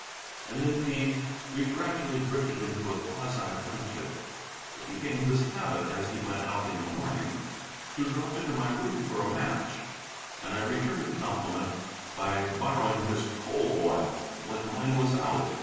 And indeed we gradually drifted into a quasi friendship. It became his habit, as he went out in the morning, to drop into my room for a match, and I returned the compliment by borrowing his coal oil when mine was out.